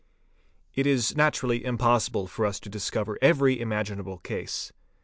It is naturally impossible for us to discover every imaginable case.